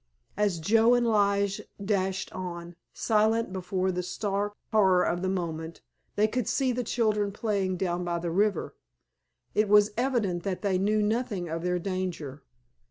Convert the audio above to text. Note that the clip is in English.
As Joe and Lige dashed on, silent before the stark horror of the moment, they could see the children playing down by the river. It was evident that they knew nothing of their danger.